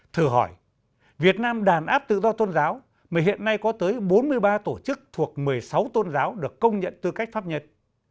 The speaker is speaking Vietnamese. thử hỏi việt nam đàn áp tự do tôn giáo mà hiện nay có tới bốn mươi ba tổ chức thuộc một mươi sáu tôn giáo được công nhận tư cách pháp nhân